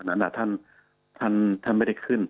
นั้นท่านไม่ได้ขึ้น